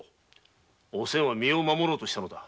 おせんは身を守ろうとしたのだ。